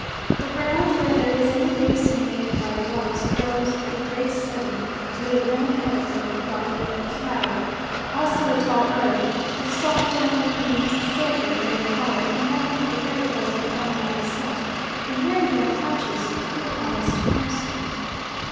The ground, where there is any basin made by the rocks, grows a great sedum, with a grand head of whity pink flower, also a tall herb, with soft downy leaves silver grey in colour, and having a very pleasant aromatic scent, and here and there patches of good honest parsley.